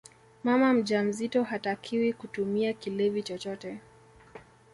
mama mjamzito hatakiwi kutumia kilevi chochote